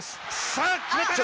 さあ決めたか？